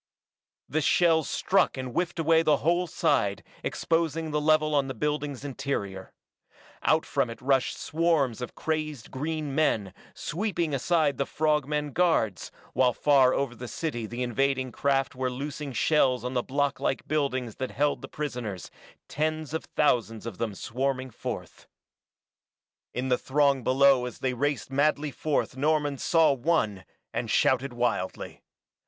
The shells struck and whiffed away the whole side, exposing the level on the building's interior. Out from it rushed swarms of crazed green men, sweeping aside the frog men guards, while far over the city the invading craft were loosing shells on the block like buildings that held the prisoners, tens of thousands of them swarming forth. In the throng below as they raced madly forth Norman saw one, and shouted wildly.